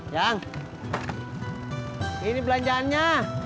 yang ini belanjaannya